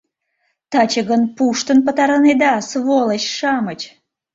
Таче гын пуштын пытарынеда, сволыч-шамыч!..